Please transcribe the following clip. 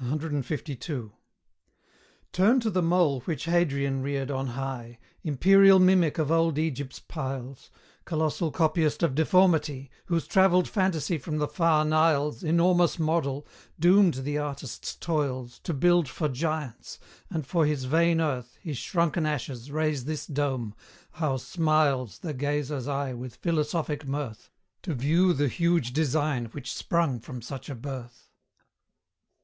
CLII. Turn to the mole which Hadrian reared on high, Imperial mimic of old Egypt's piles, Colossal copyist of deformity, Whose travelled phantasy from the far Nile's Enormous model, doomed the artist's toils To build for giants, and for his vain earth, His shrunken ashes, raise this dome: How smiles The gazer's eye with philosophic mirth, To view the huge design which sprung from such a birth!